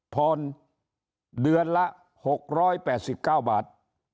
ผ่อนเดือนละ๖๘๙บาท